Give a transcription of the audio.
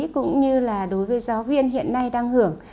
cũng như là đối với giáo viên hiện nay đang hưởng